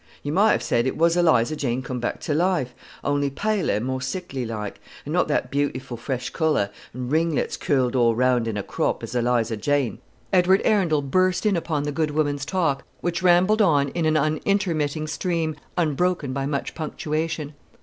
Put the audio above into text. You might have said it was Eliza Jane come back to life, only paler and more sickly like, and not that beautiful fresh colour, and ringlets curled all round in a crop, as Eliza Ja " Edward Arundel burst in upon the good woman's talk, which rambled on in an unintermitting stream, unbroken by much punctuation.